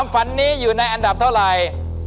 ฝันนี้อยู่ในอันดับเท่าไหร่